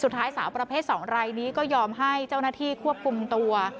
สาวประเภท๒รายนี้ก็ยอมให้เจ้าหน้าที่ควบคุมตัว